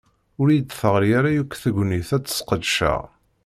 Ur yi-d-teɣli ara yakk tegnit ad tt-ssqedceɣ.